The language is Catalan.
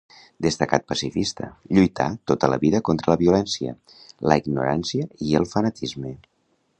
Destacat pacifista, lluità tota la vida contra la violència, la ignorància i el fanatisme.